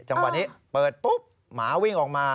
จังหวะนี้เปิดปุ๊บหมาวิ่งออกมา